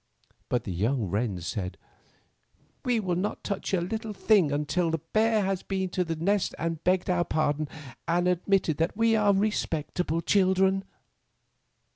But the young wrens said, "We will not touch a thing until the bear has been to the nest and begged our pardon and admitted that we are respectable children."